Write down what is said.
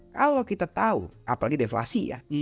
kalau kita tahu apalagi deflasi ya